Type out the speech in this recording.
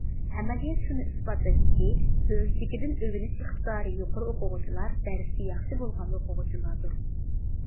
ئەمەلىيەت شۇنى ئىسپاتلىدىكى، ئۆزلۈكىدىن ئۆگىنىش ئىقتىدارى يۇقىرى ئوقۇغۇچىلار دەرستە ياخشى بولغان ئوقۇغۇچىلاردۇر.